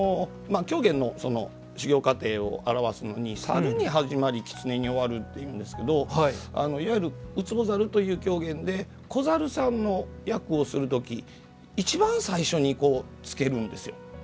狂言の修行過程を表すのに「猿に始まり狐に終わる」っていうんですけどいわゆる「靭猿」という狂言で小猿さんの役をする時に一番最初に、つけるんですよ。